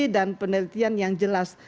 dan penelitian yang jelas